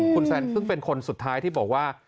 คุณแซนซึ่งเป็นคนสุดท้ายที่บอกว่า